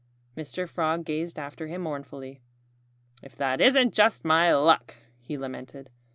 Mr. Frog gazed after him mournfully. "If that isn't just my luck!" he lamented.